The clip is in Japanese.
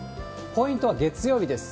ポイントは月曜日です。